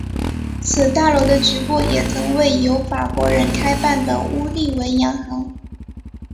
此大楼的局部也曾为由法国人开办的乌利文洋行。